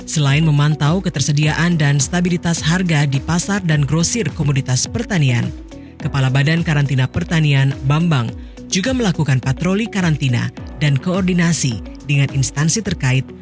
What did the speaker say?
selain memantau ketersediaan dan stabilitas harga di pasar dan grosir komoditas pertanian kepala badan karantina pertanian bambang juga melakukan patroli karantina dan koordinasi dengan instansi terkait